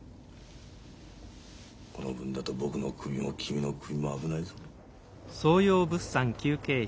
この分だと僕の首も君の首も危ないぞ。